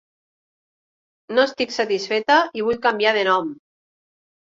No estic satisfeta i vull canviar de nom.